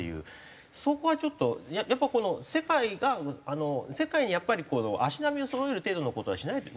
そこがちょっとやっぱこの世界が世界に足並みをそろえる程度の事はしないと。